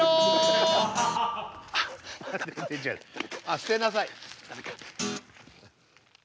捨てなさい。